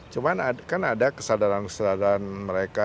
cuma kan ada kesadaran kesadaran mereka